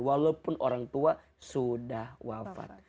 walaupun orang tua sudah wafat